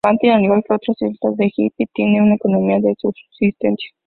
Makin, al igual que otras islas de Kiribati, tiene una economía de subsistencia.